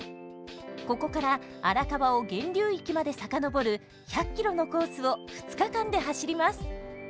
ここから荒川を源流域まで遡る１００ｋｍのコースを２日間で走ります。